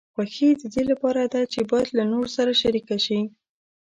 خوښي د دې لپاره ده چې باید له نورو سره شریکه شي.